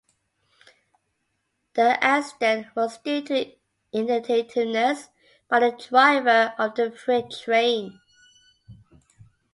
The accident was due to inattentiveness by the driver of the freight train.